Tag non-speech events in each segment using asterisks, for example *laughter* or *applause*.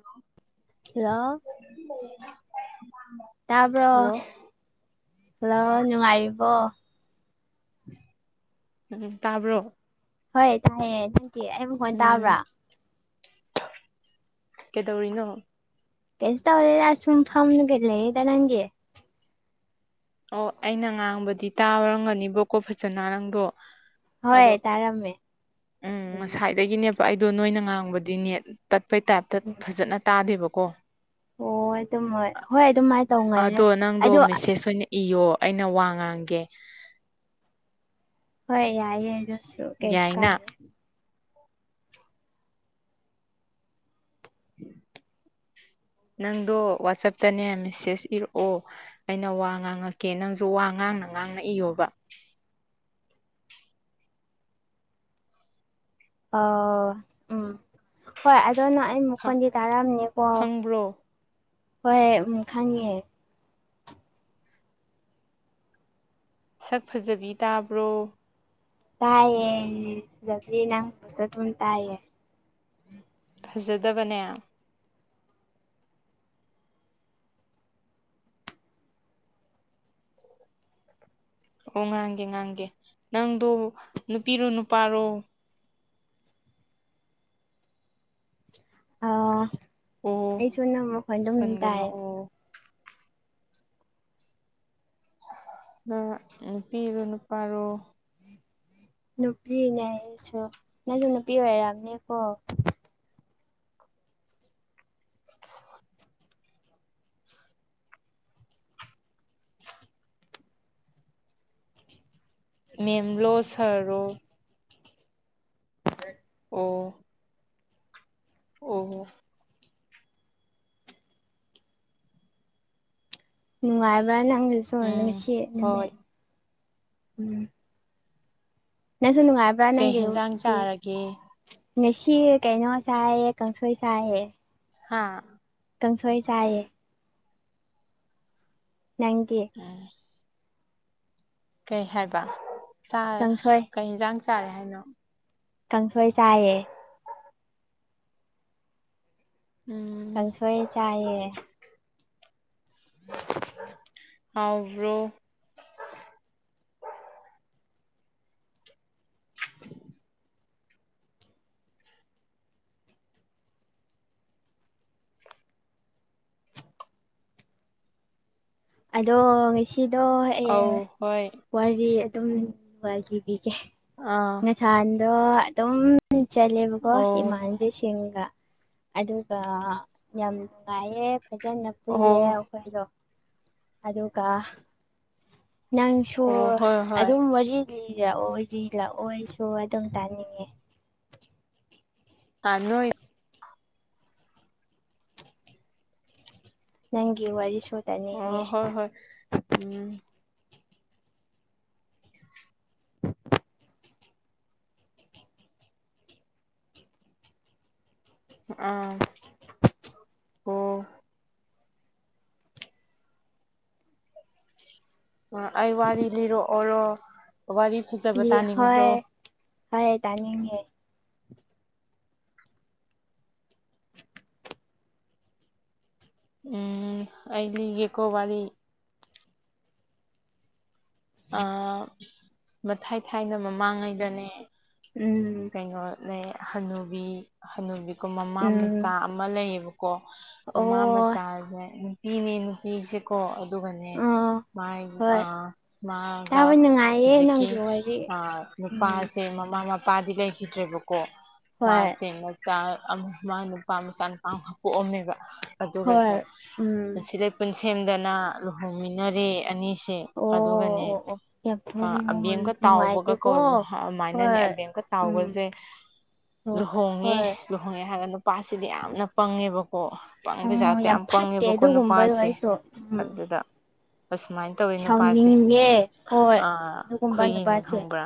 ꯑꯣ ꯍ ꯇꯥꯕ꯭ꯔꯣ ꯍꯜꯂꯣ ꯍꯜꯂꯣ ꯅꯨꯡꯉꯥꯏꯔꯤꯕꯣ ꯎꯝ ꯇꯕꯣ ꯍꯣꯏ ꯇꯥꯏꯍ ꯅꯇ ꯑꯩ ꯑꯃꯨꯛ ꯍꯣꯟ ꯇꯥꯕ꯭ꯔꯥ ꯀꯩꯗꯧꯔꯤꯅ ꯀꯩꯁ ꯇꯧꯔ ꯑꯁꯨꯝ ꯊꯝꯅꯒ ꯂꯩꯗ ꯅꯪꯒꯤ ꯑꯣ ꯑꯩꯅ ꯉꯥꯡꯕꯗꯤ ꯇꯥꯔꯝꯒꯅꯤꯕꯀꯣ ꯐꯖꯅ ꯅꯪꯗꯣ ꯍꯣꯏ ꯑꯗꯣ ꯇꯥꯔꯝꯃꯦ ꯎꯝ ꯉꯁꯥꯏꯗꯒꯤꯅꯦ ꯑꯩꯗꯣ ꯅꯣꯏꯅ ꯉꯥꯡꯕꯗꯤ ꯅꯦꯠ ꯇꯠꯄꯩ ꯇꯥꯏꯞꯇ ꯐꯖꯅ ꯇꯥꯗꯦꯕꯀꯣ ꯍ ꯑꯗꯨꯝꯣꯏ ꯍꯣꯏ ꯑꯗꯨꯃꯥꯏꯅ ꯇꯧꯒꯜꯂꯦ ꯑꯗꯣ ꯅꯪꯗꯣ ꯑꯗꯣ ꯃꯦꯁꯦꯁ ꯑꯣꯏꯅ ꯏꯌꯣ ꯑꯩꯅ ꯋꯥ ꯉꯥꯡꯒꯦ ꯍꯣꯏ ꯌꯥꯏ ꯌꯥꯏꯗꯁꯨ ꯀꯩꯁꯀꯥꯏ ꯌꯥꯏꯅ *inaudible* ꯅꯪꯗꯣ ꯋꯥꯆꯞꯇꯅꯦ ꯃꯦꯁꯦꯁ ꯏꯔꯛꯑꯣ ꯑꯩꯅ ꯋꯥ ꯉꯥꯡꯉꯛꯀꯦ ꯅꯪꯁꯨ ꯋꯥ ꯉꯥꯡꯅꯕ ꯑꯉꯥꯡꯅ ꯏꯌꯣꯕ *inaudible* ꯑ ꯎꯝ ꯍꯣꯏ ꯑꯗꯣ ꯅ ꯑꯩ ꯃꯈꯣꯟꯗꯤ ꯇꯥꯔꯛꯑꯝꯅꯦꯀꯣ ꯈꯪꯕ꯭ꯔꯣ ꯍꯣꯏ ꯎ ꯈꯪꯉꯦ ꯁꯛ ꯐꯖꯕꯤ ꯇꯥꯕ꯭ꯔꯣ ꯇꯥꯏꯌꯦ ꯔꯤ ꯅꯪ ꯁꯠ ꯇꯥꯏꯌꯦ ꯐꯖꯗꯕꯅꯦ ꯑꯣ ꯉꯥꯡꯒꯦ ꯉꯥꯡꯒꯦ ꯅꯪꯗꯣ ꯅꯨꯄꯤꯔꯣ ꯅꯨꯄꯥꯔꯣ ꯑ ꯑꯣ ꯑꯩꯁꯨ ꯅ ꯃꯈꯣꯏ ꯑꯗꯨꯝ ꯄꯟꯒꯅꯣ ꯇꯥꯏ ꯑꯣ ꯑ ꯅꯨꯄꯤꯔꯣ ꯅꯨꯄꯥꯔꯣ ꯅꯨꯄꯤꯅꯦ ꯑꯩꯁꯨ ꯅꯪꯁꯨ ꯅꯨꯄꯤ ꯑꯣꯏꯔꯝꯅꯦꯀꯣ ꯃꯦꯦꯝ ꯂ ꯁꯔꯣ ꯑꯣ ꯑꯣ ꯍꯣ ꯅꯨꯡꯉꯥꯏꯕ꯭ꯔ ꯎꯝ ꯅꯪꯁꯅꯁꯤꯠ ꯍꯣꯏ ꯅꯨꯃꯤꯃꯦꯠ ꯎꯝ ꯑꯗꯨꯁꯨ ꯅꯨꯡꯉꯥꯏꯕ꯭ꯔꯥ ꯀꯩ ꯍꯦꯟꯖꯥꯡ ꯅꯪꯒꯤꯗꯤ ꯆꯥꯔꯒꯦ ꯉꯦꯁꯤ ꯀꯩꯅꯣ ꯆꯥꯏꯦ ꯀꯥꯡꯁꯣꯏ ꯁꯥꯏꯍꯦ ꯍꯥꯥ ꯀꯝ ꯁꯏ ꯆꯑꯦ ꯅꯪꯒꯤ ꯎꯝ ꯀꯩ ꯍꯥꯏꯕ ꯀꯥꯡꯁꯣꯏ ꯀꯩ ꯌꯦꯟꯁꯥꯡ ꯆꯥꯔꯦ ꯍꯥꯏꯅꯣ ꯀꯥꯡꯁꯣꯏ ꯆꯥꯏꯌꯦ ꯎꯝ ꯀꯪꯁꯣꯏ ꯆꯥꯏꯌꯦ ꯎꯝ ꯍꯧ꯭ꯔꯣ *inaudible* ꯑꯗꯣ ꯉꯁꯤꯗꯣ ꯑꯧ ꯍꯣꯏ ꯋꯥꯔꯤ ꯑꯗꯨꯝꯈꯤ ꯒꯦ ꯑꯥ ꯉꯁꯥꯥꯟꯗꯣ ꯑꯗꯨꯝ ꯆꯠꯂꯦꯕꯀꯣ ꯑꯧ ꯏꯃꯥꯟꯕꯤꯁꯤꯡꯒ ꯑꯗꯨꯒ ꯌꯥꯝ ꯅꯨꯡꯉꯥꯏꯌꯦ ꯐꯖꯅ ꯄꯨꯜꯂꯦ ꯑꯣ ꯑꯩꯈꯣꯏꯗꯣ ꯑꯗꯨꯒ ꯅꯪꯁꯨ ꯑꯣ ꯍꯣꯏ ꯍꯣꯏ ꯑꯗꯨꯝ ꯋꯥꯔꯤ ꯂꯥꯛꯑꯣ ꯂꯤꯖꯤ ꯂꯥꯛꯑꯣ ꯑꯩꯁꯨ ꯑꯗꯨꯝ ꯇꯥꯅꯤꯡꯉꯦ ꯊꯅ ꯅꯪꯒꯤ ꯋꯥꯔꯤꯔꯤ ꯁꯣ ꯑ ꯍꯣꯏ ꯍꯣꯏ ꯎꯝ *inaudible* ꯑ ꯑꯣ ꯑꯩ ꯋꯥꯔꯤ ꯂꯤꯔꯛꯑꯣꯔꯣ ꯋꯥꯔꯤ ꯐꯖꯕ ꯇꯥꯅꯤꯡꯕ꯭ꯔꯣ ꯍ ꯌꯥ ꯇꯥꯅꯤ ꯎ ꯑꯂꯤ ꯌꯦꯀꯣ ꯋꯥꯔꯤꯔꯤ ꯑ ꯃꯊꯥꯏ ꯊꯥꯏꯅ ꯃꯃꯥꯡꯉꯩꯗꯅꯦ ꯎꯝ ꯀꯩꯅꯣ ꯂꯩ ꯍꯅꯨꯕꯤ ꯍꯅꯨꯕꯤ ꯃꯃꯥ ꯎꯝ ꯃꯆꯥ ꯑꯃ ꯂꯩꯌꯦꯕꯀꯣ ꯃꯃꯥ ꯑꯣ ꯃꯆꯥꯁꯦ ꯅꯨꯄꯤꯅꯦ ꯅꯨꯄꯤꯁꯦꯀꯣ ꯑꯗꯨꯒꯅꯦ ꯑ ꯃꯥꯏ ꯍꯣꯏ ꯃꯥꯒ ꯇꯥꯕ ꯅꯨꯡꯉꯥꯏꯌꯦ ꯍꯧꯖꯤꯛꯀꯤ ꯅꯪꯒꯤ ꯋꯥꯔꯤ ꯎꯝ ꯅꯨꯄꯥꯁꯦ ꯃꯃꯥ ꯃꯄꯥ ꯅꯨꯄꯥꯗꯤ ꯂꯩꯈꯤꯗ꯭ꯔꯦꯕꯀꯣ ꯍꯣꯏ ꯃꯥꯁꯦꯅ ꯃꯥ ꯅꯨꯄꯥ ꯃꯆꯥ ꯅꯨꯨꯄꯥ ꯑꯃ ꯄꯣꯛꯑꯝꯅꯦꯕ ꯍꯣꯏ ꯑꯗꯨꯒꯁꯦ ꯎꯝ ꯄꯨꯟꯁꯤꯗꯩ ꯄꯨꯟꯁꯤ ꯂꯩꯄꯨꯟꯁꯦꯝꯗꯅ ꯂꯨꯍꯣꯡꯃꯤꯟꯅꯔꯦ ꯑꯅꯤꯁꯤ ꯑꯣ ꯑꯗꯨꯒꯅꯦ ꯑꯣ ꯑꯣ ꯌꯥꯝ ꯑꯕꯦꯡꯀ ꯇꯥꯎꯕꯒ ꯅꯨꯡꯉꯥꯏꯇꯦꯀꯣ ꯀꯧꯏ ꯑꯗꯨꯃꯥꯏꯅꯅꯦ ꯍꯣꯏ ꯑꯕꯦꯡꯀ ꯎꯝ ꯇꯥꯎꯕꯁꯦ ꯑꯣ ꯂꯨꯍꯣꯡꯉꯦ ꯍꯣꯏ ꯂꯨꯍꯣꯡꯉꯦ ꯍꯥꯏꯔꯒ ꯅꯨꯄꯥꯁꯤꯗꯤ ꯌꯥꯝꯅ ꯄꯪꯉꯦꯕꯀ ꯑꯣ ꯄꯪ ꯎꯝ ꯄꯩꯖꯠꯇ ꯌꯥꯝ ꯐꯠꯇꯦ ꯄꯪꯉꯦꯕꯀꯣ ꯑꯗꯨꯒꯨꯝꯕꯗꯣ ꯅꯨꯄꯥꯁꯦ ꯑꯩꯁꯨ ꯎꯝ ꯑꯗꯨꯗ ꯑꯁꯁꯨꯃꯥꯏꯅ ꯇꯧꯏ ꯅꯨꯄꯥ ꯑ ꯁꯥꯎꯅꯤꯡꯉꯦ ꯍꯣꯏ ꯑꯗꯨꯒꯨꯝꯕ ꯑꯩꯈꯣꯏꯒꯤꯅꯦ ꯅꯨꯄꯥꯁꯦ ꯈꯪꯕ꯭ꯔꯥ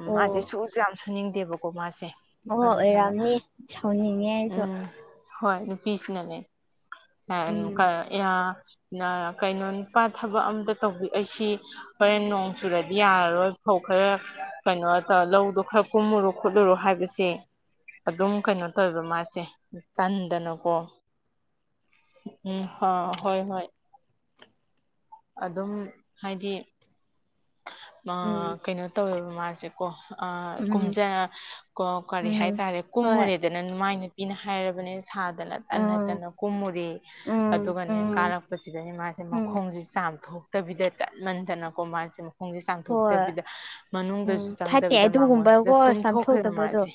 ꯎ ꯃꯥꯁꯦ ꯁꯨ ꯑꯣ ꯌꯥꯝ ꯁꯨꯅꯤꯡꯗꯦꯕꯀꯣ ꯃꯥꯁꯦ ꯑꯣ ꯑꯗꯨ ꯁꯨꯃꯥꯏꯅ ꯑꯣꯏꯔꯝꯅꯤ ꯁꯥꯎꯅꯤꯡꯉꯦ ꯑꯩꯁꯨ ꯎꯝ ꯍꯣꯏ ꯅꯨꯄꯤꯁꯤꯅꯅꯦ ꯎꯝ ꯀꯩꯅꯣ ꯅꯨꯄꯥ ꯊꯕꯛ ꯑꯝꯇ ꯇꯧꯕꯤ ꯑꯩꯁꯤ ꯍꯣꯔꯦꯟ ꯅꯣꯡ ꯆꯨꯔꯗꯤ ꯌꯥꯔꯔꯣꯏ ꯐꯧ ꯈꯔ ꯀꯩꯅꯣ ꯇꯧꯔ ꯂꯧꯗꯣ ꯈꯔ ꯀꯨꯝꯃꯨꯔꯣ꯫ ꯈꯣꯠꯂꯨꯔꯨ ꯍꯥꯏꯕꯁꯦ ꯑꯗꯨꯝ ꯀꯩꯅꯣ ꯇꯧꯋꯦꯕ ꯃꯥꯁꯦ ꯇꯟꯗꯅꯀꯣ ꯎꯝ ꯍ ꯍꯣꯏ ꯍꯣꯏ ꯑꯗꯨꯝ ꯍꯥꯏꯗꯤ ꯎꯝ ꯀꯩꯅꯣ ꯇꯧꯋꯦꯕ ꯃꯥꯁꯦ ꯀꯣ ꯎꯝ ꯀ ꯀꯣ ꯀꯔꯤ ꯎꯝ ꯍꯥꯏꯠꯔꯦ ꯍꯣꯏ ꯀꯨꯝꯃꯨꯔꯦ ꯃꯥꯏ ꯅꯨꯄꯤꯖꯦ ꯃꯥꯏ ꯅꯨꯄꯤꯅ ꯍꯥꯏꯔꯕꯅꯦ ꯃꯥꯁꯥꯗꯅ ꯇꯟꯅ ꯎꯝ ꯇꯟꯅ ꯀꯨꯝꯃꯨꯔꯦ ꯎꯝ ꯑꯗꯨꯒꯅꯦ ꯎꯝ ꯀꯥꯔꯛꯄꯁꯤꯗꯅꯦ ꯃꯥꯁꯦ ꯎꯝ ꯃꯈꯣꯡꯁꯤ ꯊꯣꯛꯇꯕꯤꯗ ꯇꯠꯃꯟꯗꯅꯀꯣ ꯃꯥꯁꯦ ꯈꯣꯡꯁꯦ ꯍꯣꯏ ꯆꯥꯝꯊꯣꯛꯇꯕꯤꯗ ꯃꯅꯨꯡꯗꯁꯨ ꯎꯝ ꯐꯠꯇꯦ ꯆꯪꯗꯕꯤꯗ ꯃꯥꯡꯒꯣꯟꯁꯤꯗ ꯑꯗꯨꯒꯨꯝꯕꯀꯣ ꯇꯨꯝꯊꯣꯛꯈ꯭ꯔꯦꯕ ꯆꯥꯝꯊꯣꯛꯇꯕꯗꯣ ꯃꯥꯁꯦ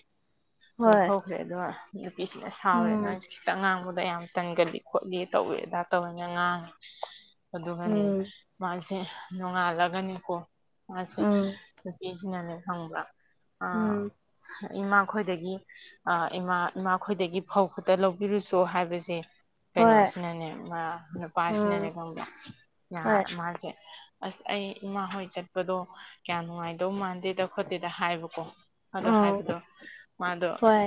ꯍꯣꯏ ꯇꯨꯝꯊꯣꯛꯈ꯭ꯔꯦ ꯑꯗꯨꯒ ꯅꯨꯄꯤꯁꯤꯅ ꯁꯥꯎꯔꯦ ꯎꯝ ꯅꯣꯏꯁꯦ ꯈꯤꯇꯪ ꯉꯥꯡꯕꯗ ꯑꯗ ꯌꯥꯝ ꯇꯟꯒꯜꯂꯤ ꯈꯣꯠꯂꯤ ꯑꯗꯨ ꯇꯧꯋꯤ ꯑꯗꯥ ꯇꯧꯋꯅ ꯉꯥꯡꯉꯤ ꯑꯗꯨꯒꯅꯤ ꯎꯝ ꯃꯥꯁꯦ ꯅꯣꯡꯉꯥꯜꯂꯒꯅꯤꯀꯣ ꯃꯥꯁꯦ ꯎꯝ ꯅꯨꯄꯤ ꯁꯤꯅꯥꯅꯦ ꯈꯪꯕꯔꯥ ꯎꯝ ꯏꯃꯥꯈꯣꯏꯗꯒꯤ ꯏꯃꯥ ꯏꯃꯥꯈꯣꯏꯗꯒꯤ ꯐꯧ ꯈꯨꯛꯇ ꯂꯧꯕꯤꯔꯨꯁꯨ ꯍꯥꯏꯕꯁꯦ ꯍꯣꯏ ꯀꯩꯅꯣꯁꯤꯅꯅꯦ ꯅꯨꯄꯥꯁꯤꯅꯅꯦ ꯎꯝ ꯈꯪꯕ꯭ꯔ ꯅꯍ ꯍꯣꯏ ꯃꯥꯁꯦ ꯑꯁ ꯑꯩ ꯏꯃꯥ ꯍꯣꯏ ꯆꯠꯄꯗꯣ ꯀꯌꯥ ꯅꯨꯡꯉꯥꯏꯗꯧ ꯃꯥꯟꯗꯦꯗ ꯈꯣꯠꯇꯦꯗ ꯍꯥꯏꯕꯀꯣ ꯑꯗꯣ ꯎꯝ ꯍꯥꯏꯕꯗꯣ ꯃꯥꯗꯣ ꯍꯣꯏ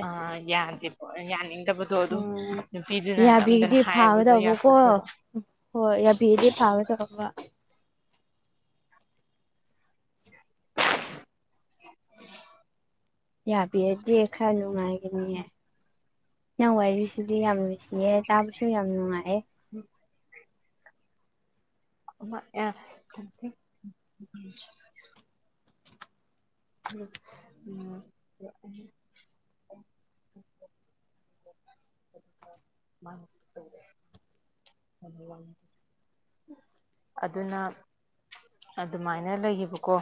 ꯌꯥꯗꯦ ꯌꯥꯅꯤꯡ ꯇꯕꯗꯣ ꯑꯗꯨꯝ ꯎꯝ ꯅꯨꯄꯤꯗꯨꯅ ꯅꯝꯗꯅ ꯌꯥꯕꯤꯔꯗꯤ ꯍꯥꯏꯕꯗꯣ ꯌꯥꯊꯣꯛꯈ꯭ꯔꯕ ꯐꯤꯗꯤ ꯁꯥꯕ ꯇꯝꯂꯝꯕ ꯌꯥꯕꯤꯔꯗꯤ ꯈꯔ ꯅꯨꯡꯉꯥꯏꯒꯅꯤꯌꯦ ꯅꯪ ꯋꯥꯔꯤꯔꯤꯁꯤꯗꯤ ꯌꯥꯝ ꯅꯨꯡꯁꯤꯌꯦ ꯇꯥꯕꯁꯨ ꯌꯥꯝ ꯅꯨꯡꯉꯥꯏꯌꯦ ꯎꯝ ꯊ ꯎꯝ ꯎꯝ ꯃꯥꯅ ꯑꯗꯨꯅ ꯑꯗꯨꯃꯥꯏꯅ ꯂꯩꯌꯦꯕꯀꯣ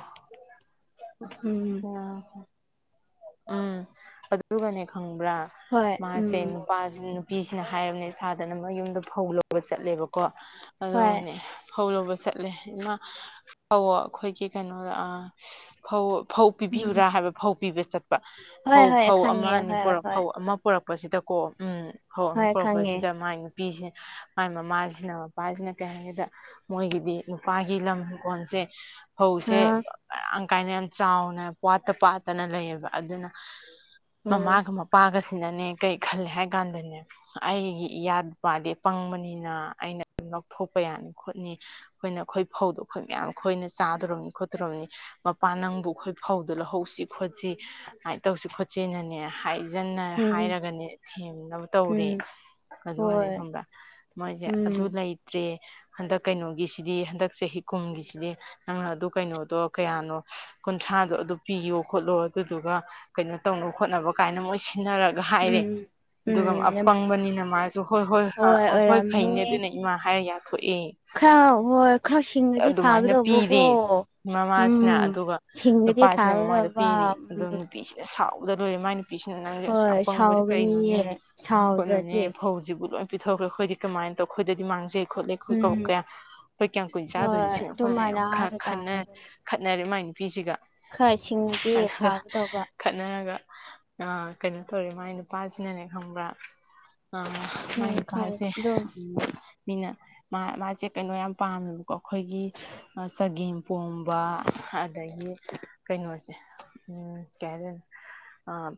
ꯎꯝ ꯎ ꯎꯝ ꯑꯗꯨꯒꯅꯦ ꯈꯪꯕ꯭ꯔꯥ ꯍꯣꯏ ꯃꯥꯁꯦ ꯎꯝ ꯅꯨꯄꯥ ꯅꯨꯄꯤꯁꯤꯅ ꯍꯥꯏꯔꯕꯅꯦ ꯁꯥꯗꯅ ꯃꯣꯏ ꯌꯨꯝꯗ ꯐꯧ ꯂꯧꯕ ꯆꯠꯂꯦꯕꯀꯣ ꯍꯣꯏ ꯑꯗꯨꯒꯅꯦ ꯐꯧ ꯂꯨꯕ ꯆꯠꯂꯦꯅ ꯐꯧ ꯑꯩꯈꯣꯏꯒꯤ ꯀꯩꯅꯣꯗ ꯐꯧ ꯐꯧ ꯎꯝ ꯄꯤꯕꯤꯌꯨꯔꯥ ꯍꯥꯏꯕ ꯐꯧ ꯄꯤꯕ ꯆꯠꯄ ꯍꯣꯏ ꯐꯧ ꯍꯣꯏ ꯐꯧ ꯑꯃ ꯈꯪꯉꯦ ꯑꯅꯤ ꯍꯣꯏ ꯄꯨꯔꯛ ꯍꯣꯏ ꯐꯧ ꯑꯃ ꯄꯨꯔꯛꯄ ꯄꯄꯁꯤꯗꯀꯣ ꯎꯝ ꯍꯧ ꯍꯣꯏ ꯈꯪꯉꯦ ꯄꯔꯛꯄꯁꯤꯗ ꯃꯥꯏ ꯅꯨꯄꯤꯁꯦ ꯃꯥꯏ ꯃꯃꯥꯁꯤꯅ ꯃꯄꯥꯁꯤꯅ ꯀꯩ ꯍꯥꯏꯒꯦꯗ ꯃꯣꯏꯒꯤꯗꯤ ꯅꯨꯄꯥꯒꯤ ꯂꯝꯤꯡ ꯀꯣꯟꯜꯁꯦ ꯗ ꯐꯧꯁꯦ ꯑ ꯃꯔꯥꯡ ꯀꯥꯏꯅ ꯌꯥꯝ ꯆꯥꯎꯅ ꯋꯥꯠꯇ ꯄꯥꯠꯇꯅ ꯂꯩꯌꯦꯕ ꯑꯗꯨꯅ ꯎꯝ ꯃꯃꯥꯒ ꯃꯄꯥꯒꯁꯦ ꯑꯁꯤꯅꯅꯦ ꯀꯩ ꯈꯜꯂꯦ ꯍꯥꯏ ꯀꯥꯟꯗꯅꯦ ꯑꯩꯒꯤ ꯏꯌꯥ ꯅꯨꯄꯥꯗꯤ ꯄꯪꯕꯅꯤꯅ ꯑꯩꯅ ꯂꯧꯊꯣꯛꯄ ꯌꯥꯅꯤ ꯈꯣꯠꯅꯤ ꯑꯩꯈꯣꯏꯅ ꯑꯩꯈꯣꯏ ꯐꯧꯗꯣ ꯑꯩꯈꯣꯏ ꯃꯌꯥꯝ ꯈꯣꯏꯅ ꯆꯥꯗꯣꯕꯅꯤ ꯈꯣꯠꯇꯣꯕꯅꯤ ꯃꯄꯥꯥꯟ ꯅꯪꯕꯨ ꯑꯩꯈꯣꯏ ꯐꯧꯗ ꯂꯧꯍꯧꯁꯤ ꯈꯣꯠꯁꯤ ꯀꯃꯥꯏꯅ ꯇꯧꯁꯤ ꯈꯣꯠꯁꯤꯅꯅꯦ ꯍꯥꯏ ꯁꯤꯖꯟꯅ ꯎꯝ ꯍꯥꯏꯔꯒꯅꯦ ꯊꯦꯝꯅꯕ ꯇꯧꯔꯦ ꯎꯝ ꯑꯗꯨꯒꯅꯤ ꯍꯣꯏ ꯈꯪꯕ꯭ꯔꯥ ꯃꯣꯏꯁꯦ ꯑꯗꯨ ꯎꯝ ꯅ ꯏꯗ꯭ꯔꯦ ꯍꯟꯗꯛ ꯀꯩꯅꯣꯒꯤꯁꯤꯗꯤ ꯍꯟꯗꯛ ꯆꯍꯤ ꯀꯨꯝꯒꯤꯁꯤꯗꯤ ꯅꯪꯅ ꯑꯗꯨ ꯀꯩꯅꯣꯗꯣ ꯀꯌꯥꯅꯣ ꯀꯨꯟꯊ꯭ꯔꯥꯗꯣ ꯑꯗꯨ ꯄꯤꯌꯣ ꯈꯣꯠꯂꯣ ꯑꯗꯨꯗꯨꯒ ꯀꯩꯅꯣ ꯇꯧꯅꯕ ꯈꯣꯠꯅꯕ ꯀꯥꯏꯅ ꯃꯣꯏ ꯈꯟꯅꯔꯒ ꯍꯥꯏꯔꯦ ꯎꯝ ꯑꯗꯨꯒ ꯎꯝ ꯑꯄꯪꯕꯅꯤꯅ ꯃꯥꯁꯨ ꯍꯣꯏ ꯍꯣꯏ ꯍꯣꯏ ꯐꯩꯅꯦ ꯑꯗꯨꯅ ꯏꯃꯥ ꯍꯥꯏꯔ ꯌꯥꯒ ꯈꯔ ꯍꯣꯏ ꯈꯔꯥꯎ ꯁꯤꯡꯉꯗꯤ ꯑꯗꯨꯃꯥꯏꯅ ꯐꯥꯒꯗꯧꯕꯀꯣ ꯄꯤꯔꯦ ꯃꯃꯥꯁꯤꯅ ꯎꯝ ꯑꯗꯨꯒ ꯁꯤꯡꯉꯗꯤ ꯅꯨꯄꯥꯁꯤꯅ ꯃꯃꯥꯗ ꯐꯥꯒꯗꯕ ꯄꯤꯔꯤ ꯑꯗꯣ ꯎꯝ ꯅꯨꯄꯤꯁꯤꯅ ꯁꯥꯎꯗ ꯂꯣꯏꯔꯦ ꯃ ꯅꯨ ꯅꯨꯄꯤꯁꯤꯅ ꯅꯪꯁꯦ ꯑꯁ ꯍꯣꯏ ꯌꯥꯝ ꯄꯪꯕꯁꯦ ꯀꯩꯅꯣꯅꯦ ꯁꯥꯎꯒꯅꯤꯌꯦ ꯈꯣꯠꯅꯨꯅꯦ ꯁꯥꯎꯗ꯭ꯔꯗꯤ ꯐꯧꯁꯤꯕꯨ ꯂꯣꯏ ꯄꯤꯊꯣꯛꯈ꯭ꯔꯦ ꯑꯩꯈꯣꯏꯗꯤ ꯀꯃꯥꯏꯅ ꯇꯧ ꯑꯩꯈꯗꯗꯤ ꯃꯥꯡꯖꯩ ꯈꯣꯠꯂꯦ ꯑꯩꯈꯣꯏ ꯎꯝ ꯀꯌꯥ ꯑꯩꯈꯣꯏ ꯀꯌꯥꯝ ꯀꯨꯏꯟ ꯆꯥꯗꯣꯏꯅꯤ ꯍꯣꯏ ꯁꯤ ꯑꯩꯈꯣꯏꯅ ꯌꯥꯝ ꯑꯗꯨꯃꯥꯏꯅ ꯍꯥꯏꯕ ꯇꯥꯔꯒꯅꯤ ꯈꯠꯅꯔꯦ ꯃꯥꯏ ꯅꯨꯄꯤꯁꯤꯒ ꯈꯔ ꯁꯤꯡꯉꯗꯤ ꯈꯒ ꯐꯥꯒꯗꯧꯕ ꯈꯠꯅꯔꯒ ꯑ ꯀꯩꯅꯣ ꯇꯧꯔꯦ ꯃꯥꯏ ꯅꯨꯄꯥꯁꯤꯅꯅꯦ ꯈꯪꯕ꯭ꯔꯥ ꯃ ꯎꯝ ꯈꯪ ꯅꯨꯄꯥꯁꯦ ꯑꯗꯨꯝ ꯃꯤꯅ ꯃꯥꯁꯦ ꯀꯩꯅꯣ ꯌꯥꯝ ꯄꯥꯝꯃꯦꯕ ꯑꯩꯈꯣꯏꯒꯤ ꯆꯒꯦꯝ ꯄꯣꯝꯕ ꯑꯗꯒꯤ ꯀꯩꯅꯣꯁꯦ ꯎꯝ ꯀꯩ ꯍꯥꯏꯗꯣꯏꯅꯣ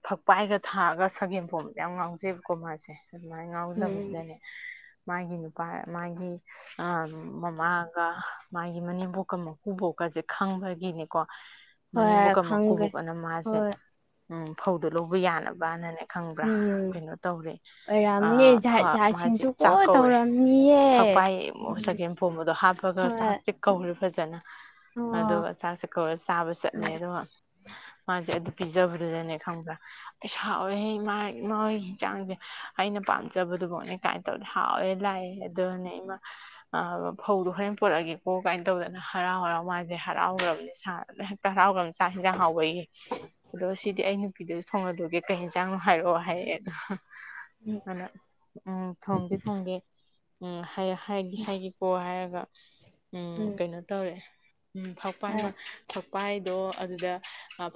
ꯐꯛꯄꯥꯏꯒ ꯊꯥꯛꯑꯒ ꯁꯒꯦꯝ ꯐꯣꯝꯕꯗ ꯌꯥꯝ ꯉꯥꯎꯖꯩꯕꯀꯣ ꯃꯥꯁꯦ ꯑꯗꯨꯃꯥꯏꯅ ꯎꯝ ꯉꯥꯎꯖꯕꯁꯤꯗꯅꯦ ꯃꯥꯒꯤ ꯅꯨꯄꯥ ꯃꯥꯒꯤ ꯃꯃꯥ ꯑꯗꯨꯒ ꯃꯥꯒꯤ ꯃꯅꯦꯝꯕꯣꯛꯀ ꯃꯀꯨꯕꯣꯛꯀꯁꯦ ꯈꯪꯕꯒꯤꯅꯤꯀꯣ ꯃꯅꯦꯝꯕꯣꯛ ꯍꯣꯏ ꯀ ꯈꯪꯒꯦ ꯀꯕꯣꯛ ꯑꯅ ꯃꯥꯁꯦ ꯍꯣꯏ ꯎꯝ ꯐꯧꯗ ꯂꯧꯕ ꯌꯥꯅꯕꯅꯅꯦ ꯈꯪꯕ꯭ꯔꯥ ꯎꯝ ꯀꯩꯅꯣ ꯇꯧꯔꯦ ꯑꯣꯏꯔꯝꯅꯤ ꯖꯥꯠ ꯃꯥꯁꯦ ꯖꯥꯠꯁꯤꯡꯁꯨ ꯀꯣ ꯆꯥꯛ ꯀꯧꯔꯦ ꯇꯧꯔꯝꯅꯤꯌꯦ ꯎꯄꯥꯏ ꯎꯝ ꯆꯒꯦꯝ ꯐꯣꯝꯕꯗꯣ ꯍꯥꯞꯄꯒ ꯍꯣꯏ ꯆꯥꯛꯁꯦꯛ ꯀꯧꯔꯦ ꯐꯖꯅ ꯑꯣ ꯑꯗꯨꯒ ꯆꯥꯛꯁꯦ ꯀꯧꯔ ꯆꯥꯕ ꯆꯠꯂꯦ ꯎꯝ ꯑꯗꯨꯒ ꯃꯥꯁꯦ ꯑꯗꯨ ꯄꯤꯖꯕꯗꯨꯗꯅꯦ ꯈꯪꯕ꯭ꯔꯥ ꯑꯩ ꯁꯥꯎꯋꯦꯍ ꯏꯃꯥ ꯏꯃꯣꯏꯣꯏꯒꯤ ꯍꯆꯥꯡꯁꯦ ꯑꯩꯅ ꯄꯥꯝꯖꯕꯗꯨꯐꯥꯎꯅꯦ ꯀꯥꯏꯅ ꯇꯧ ꯍꯥꯎꯑꯦ ꯂꯥꯛꯑꯦ ꯑꯗꯨꯅꯦ ꯏꯃ ꯐꯧꯗꯣ ꯍꯌꯦ ꯄꯠꯛꯑꯒꯦꯀꯣ ꯀꯥꯏꯅ ꯇꯧꯗꯅ ꯍꯔꯥꯎ ꯍꯔꯥꯎ ꯃꯥꯁꯦ ꯍꯔꯥꯎ ꯍꯔꯔꯕꯁꯦ ꯁꯥꯅ ꯆꯔꯥꯎꯒ ꯆꯥꯛ ꯍꯟꯖꯥꯡ ꯍꯥꯎꯕꯩꯌꯦ ꯑꯗꯨꯒ ꯁꯤꯗꯤ ꯑꯩꯅ ꯤꯗꯤꯑꯣ ꯊꯣꯡꯉꯗꯒꯦ ꯀꯩ ꯌꯦꯟꯁꯥꯡꯅꯣ ꯍꯥꯏꯔꯛꯑꯣ ꯍꯥꯏꯦ ꯑꯗꯣ ꯑꯗꯨꯅ ꯎꯝ ꯊꯣꯡꯗꯤꯦ ꯊꯣꯡꯒꯦ ꯎꯝ ꯍ ꯍꯥꯏꯒꯤ ꯎꯝ ꯎꯝ ꯍꯥꯏꯥꯏꯒꯤ ꯄ ꯍꯥꯏꯔ ꯎꯝ ꯀꯩꯅꯣ ꯇꯧꯔꯦ ꯎꯝ ꯐꯛꯄꯥꯏ ꯍꯣꯏ ꯐꯛꯄꯥꯏꯗꯣ ꯑꯗꯨꯗ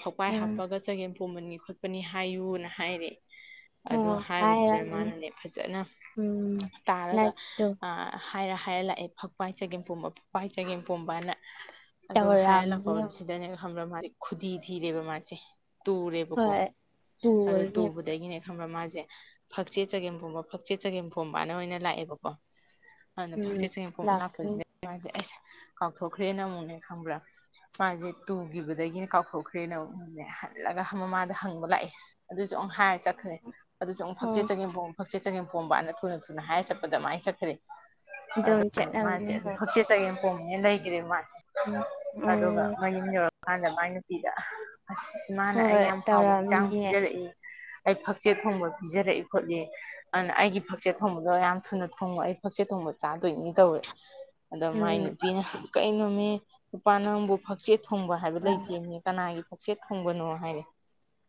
ꯐꯛꯄꯥꯏ ꯎꯝ ꯍꯥꯞꯄꯒ ꯆꯒꯦꯝꯄꯣꯝꯕꯅꯤ ꯈꯣꯠꯄꯅꯤ ꯍꯥꯏꯌꯨꯅ ꯍꯥꯏꯔꯦ *inaudible* ꯑꯗꯣ ꯍꯥꯏꯕꯗꯨꯗ ꯍꯥꯏꯔꯝꯅꯤ ꯃꯥꯅꯅꯦ ꯐꯖꯅ ꯎꯝ ꯇꯥꯔꯒ ꯅꯠꯇꯨ ꯍꯥꯏꯔ ꯍꯥꯏꯔ ꯂꯥꯛꯑꯦ ꯐꯛꯄꯒꯤ ꯆꯒꯦꯝ ꯄꯣꯝꯕ ꯐꯛꯄꯒꯤ ꯆꯒꯦꯝ ꯄꯣꯝꯕꯅ ꯑꯗꯨꯒ ꯍꯥꯏꯔ ꯂꯥꯛꯄ ꯇꯧꯔꯝꯅꯤ ꯁꯤꯗꯅꯦ ꯈꯪꯕ꯭ꯔ ꯃꯥꯁꯦ ꯈꯨꯗꯤ ꯊꯤꯔꯦꯕ ꯃꯥꯁꯦ ꯇꯨꯔꯦꯕꯀꯣ ꯍꯣꯏ ꯑꯗꯨ ꯇꯨꯔꯅꯤ ꯇꯨꯕꯗꯒꯤꯅꯦ ꯈꯪꯕ꯭ꯔ ꯃꯥꯁꯦ ꯁꯦ ꯐꯛꯆꯦꯠ ꯆꯒꯦꯝ ꯄꯣꯝꯕ ꯐꯛꯆꯦꯠ ꯆꯒꯦꯝ ꯄꯣꯝꯕꯅ ꯑꯣꯏꯅ ꯂꯥꯛꯑꯦꯕꯀꯣ ꯑꯗꯨꯗ ꯎꯝ ꯐꯛꯆꯦ ꯆꯦꯡꯄ ꯂꯥꯛꯀꯅꯤ ꯂꯥꯛꯄꯁꯤꯗꯁꯦ ꯑꯩꯁ ꯀꯥꯎꯊꯣꯛꯈ꯭ꯔꯦꯅ ꯑꯃꯨꯛꯅꯦ ꯈꯪꯕ꯭ꯔꯥ ꯃꯥꯁꯦ ꯇꯨꯈꯤꯕꯗꯒꯤꯅ ꯀꯥꯎꯊꯣꯛꯈ꯭ꯔꯦꯅꯅꯦ ꯍꯜꯂꯒ ꯃꯃꯗ ꯍꯪꯕ ꯂꯥꯛꯑꯦ ꯑꯗꯨꯁꯨ ꯍ ꯆꯈꯔꯦ ꯑꯗꯨꯁꯨꯨꯛꯆꯦ ꯑꯣ ꯆꯒꯦꯝꯣꯝ ꯐꯛꯆꯦ ꯆꯒꯦꯝ ꯄꯣꯝꯕꯅ ꯊꯨꯅ ꯊꯨꯅ ꯍꯥꯏꯔ ꯆꯠꯄꯗ ꯑꯗꯨꯥꯏꯅ ꯆꯠꯈ꯭ꯔꯦ ꯑꯗꯣ ꯆꯦ ꯦ ꯑꯗꯨ ꯍꯛꯆꯦꯠ ꯆꯠꯒꯦꯅ ꯄꯣꯝꯃꯦꯅ ꯂꯩꯈ꯭ꯔꯦ ꯃꯥꯁꯦ ꯎꯝ ꯑꯗꯨꯒ ꯎꯝ ꯃꯅꯤ ꯌꯧ ꯃꯥꯗ ꯃꯥꯏ ꯅꯨꯄꯤꯗ ꯑ ꯏꯃꯥꯅ ꯑꯩ ꯍꯣꯏ ꯌꯥꯝ ꯍꯥꯎꯕ ꯍꯛꯆꯥꯡ ꯇꯧꯔꯝꯅꯤꯌꯦ ꯄꯤꯖꯔꯛꯏ ꯑꯩ ꯐꯛꯆꯦꯠ ꯊꯣꯡꯕ ꯄꯤꯖꯔꯛꯏ ꯈꯣꯠꯂꯤ ꯑꯗꯨꯅ ꯑꯩꯒꯤ ꯐꯛꯆꯦꯠ ꯊꯣꯡꯕꯗꯣ ꯌꯥꯝ ꯊꯨꯅ ꯊꯣꯡꯕ ꯑꯩ ꯐꯛꯆꯦꯠ ꯊꯣꯡꯕ ꯆꯥꯗꯣꯏꯅꯤ ꯇꯧꯋꯦ ꯑꯗ ꯃꯥꯏ ꯎꯝ ꯅꯨꯄꯤꯅ ꯀꯩꯅꯣꯃꯤ ꯅꯨꯄꯥ ꯅꯪꯕꯨ ꯐꯛꯆꯦꯠ ꯊꯪꯕ ꯍꯥꯏꯕ ꯎꯝ ꯂꯩꯇꯦꯅꯦ ꯀꯅꯥꯒꯤ ꯄꯛꯆꯦ ꯐꯪꯕꯅꯣ ꯍꯥꯏꯔ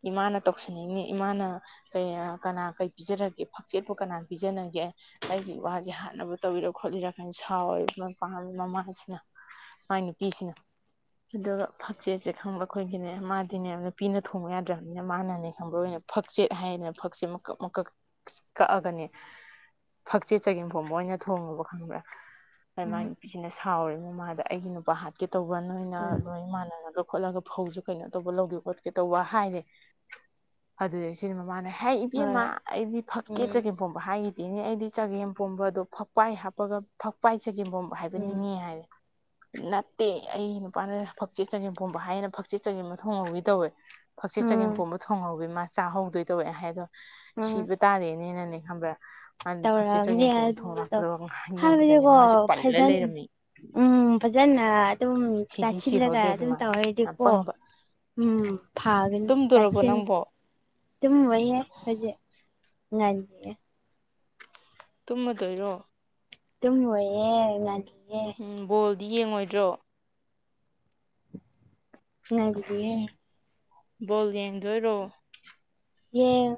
ꯏꯃꯥꯅ ꯇꯧꯁꯤꯟꯅꯤꯡꯉꯤ ꯏꯃꯥꯅ ꯀ ꯀꯅꯥ ꯀꯩ ꯄꯤꯖꯔꯒꯦ ꯐꯛꯆꯦꯠꯄꯨ ꯀꯅꯥ ꯄꯤꯖꯒꯦ ꯑꯩꯒꯤ ꯋꯥꯁꯦ ꯍꯥꯟꯅꯕꯨ ꯇꯧꯕꯤꯔ ꯈꯣꯠꯂꯤꯔ ꯀ ꯊꯥꯎ ꯃꯣꯏ ꯄꯥꯝ ꯃꯃꯥꯏꯁꯤꯅ ꯃꯣꯏ ꯅꯨꯄꯤꯁꯤꯅ ꯑꯗꯨꯒ ꯐꯛꯆꯦꯠꯁꯦ ꯈꯪꯕ ꯑꯩꯈꯣꯏꯒꯤꯅꯦ ꯃꯥꯗꯤꯅꯦꯅ ꯄꯤꯅ ꯊꯣꯡꯕ ꯌꯥꯗ꯭ꯔꯕꯅꯤꯅ ꯃꯥꯅꯅꯦ ꯈꯪꯕ ꯑꯣꯏꯅ ꯐꯛꯆꯦꯠ ꯍꯥꯏꯗꯅ ꯐꯛꯆꯦꯠ ꯃꯀꯛ ꯃꯀꯛ ꯀꯛꯑꯒꯅꯤ ꯐꯛꯆꯦꯠ ꯆꯒꯦꯝ ꯐꯣꯕ ꯑꯣꯏꯅ ꯊꯣꯡꯉꯨꯕ ꯈꯪꯕ꯭ꯔꯦ ꯃꯥꯥꯏ ꯅꯨꯄꯤꯁꯤꯅ ꯁꯥꯎꯔꯤꯦ ꯃꯃꯥꯗ ꯑꯩꯒꯤ ꯅꯨꯄꯥ ꯍꯥꯠꯀꯦ ꯇꯧꯕ ꯅꯣꯏꯅ ꯎꯝ ꯂꯣꯏ ꯃꯥꯟꯅꯒ ꯈꯣꯠꯂꯒ ꯐꯧꯁꯨ ꯀꯩꯅꯣ ꯇꯧꯕ ꯂꯧꯒꯦ ꯈꯣꯠꯀꯦ ꯇꯧꯕ ꯍꯥꯏꯔꯦ ꯑꯗꯨꯗꯩ ꯁꯤꯗꯤ ꯃꯃꯥꯅ ꯍꯥꯏ ꯏꯕꯦꯝꯃ ꯍꯣꯏ ꯑꯩꯗꯤ ꯐꯛꯀꯦ ꯎꯝ ꯆꯒꯦꯝ ꯐꯣꯡꯕ ꯍꯥꯏꯈꯤꯗꯤ ꯑꯗꯨꯅꯦ ꯑꯩꯗꯤ ꯆꯒꯦꯝꯄꯣꯝꯕꯗꯣ ꯐꯛꯄꯥꯏ ꯍꯥꯞꯄꯒ ꯐꯛꯄꯥꯏ ꯆꯒꯦꯝ ꯄꯣꯝꯕ ꯎꯝ ꯍꯥꯏꯕꯅꯤꯅꯦ ꯍꯥꯏꯔꯦ ꯅꯠꯇꯦ ꯑꯩ ꯅꯨꯄꯥꯅ ꯐꯛꯆꯦꯠ ꯆꯒꯦꯝ ꯄꯣꯝꯕ ꯍꯥꯏꯅ ꯐꯛꯆꯦꯠ ꯆꯒꯦꯝꯕ ꯊꯣꯡꯉꯧꯒꯤ ꯇꯧꯋꯦ ꯐꯛꯆꯦꯠ ꯆꯒꯦꯝ ꯎꯝ ꯄꯣꯝꯕ ꯊꯣꯡꯍꯧꯋ ꯃꯥ ꯆꯥꯍꯧꯗꯣꯏ ꯇꯧꯋꯦ ꯍꯥꯏꯗꯣ ꯎꯝ ꯁꯤꯕ ꯇꯥꯔꯦꯅꯦꯅꯅꯦ ꯈ꯭ꯔꯦ ꯃꯥꯗꯤ ꯐꯛꯆꯦ ꯇꯧꯔꯛꯑꯝꯅꯦ ꯆꯒꯦꯝꯐ ꯊꯣꯡ ꯑꯗꯨꯗꯣ ꯂꯄ ꯌꯦꯡ ꯍꯥꯏꯕꯗꯤꯀꯣ ꯃꯥꯁꯦ ꯄꯜꯂ ꯐꯖꯟ ꯂꯩꯔꯝꯃꯤ ꯎꯝ ꯐꯖꯅ ꯑꯗꯨꯝ ꯁꯤꯗꯤ ꯇꯥꯁꯤꯜꯂꯒ ꯁꯤꯍꯧꯗꯦ ꯑꯗꯨꯝ ꯑꯗꯨꯃꯅ ꯇꯧꯔꯗꯤꯀꯣ ꯑꯄꯪꯕ ꯎꯝ ꯐꯥꯒꯅꯤ ꯇꯁꯤ ꯅꯪꯕꯣ ꯑꯗꯨꯕ ꯌꯥꯦ ꯍꯧꯖꯤꯛ ꯉ ꯇꯃꯗꯣꯏꯔꯣ ꯇ ꯍꯌꯦ ꯉ ꯎꯝ ꯕꯣꯜꯗꯤ ꯌꯦꯡꯉꯣꯏꯗ꯭ꯔꯣ ꯒꯗꯌꯦꯦ ꯕꯣꯜ ꯌꯦꯡꯗꯣꯏꯔꯣ ꯌꯦ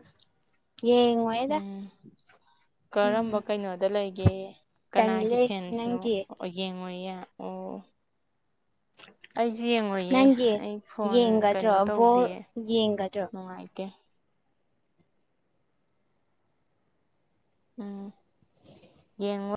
ꯎꯝ ꯀꯔꯝꯕ ꯎꯝ ꯀꯩꯅꯣꯗ ꯂꯩꯒꯦ ꯑꯦ ꯀꯅꯥꯒꯤ ꯇꯜꯂꯦ ꯐꯦꯟꯁꯅꯣ ꯅꯪꯗꯤ ꯌꯦꯡꯉꯨꯌꯦ ꯑꯣ ꯑꯩꯁꯨ *inaudible* ꯌꯦꯡꯉꯣꯏꯌꯦ ꯅꯪꯒꯤ ꯑꯩ ꯐꯣꯟ ꯌꯦꯡꯒꯗ꯭ꯔꯣ ꯀꯩꯅꯣ ꯇꯧꯗꯦ ꯕꯣꯔ ꯌꯦꯡꯒꯗ꯭ꯔꯣ ꯅꯨꯡꯉꯥꯏꯇꯦ ꯎꯝ ꯌꯦꯡꯉꯣꯏ